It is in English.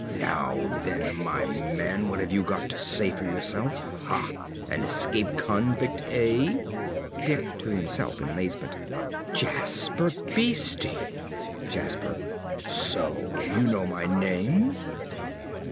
_) Now then, my man, what have you got to say for yourself? Ha! An escaped convict, eh? ~Dick~ (to himself, in amazement). Jasper Beeste! ~Jasper.~ So you know my name?